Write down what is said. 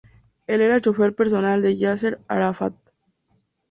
Él era chofer personal de Yasser Arafat.